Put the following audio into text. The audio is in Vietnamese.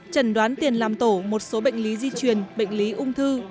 trần đoán tiền làm tổ một số bệnh lý di truyền bệnh lý ung thư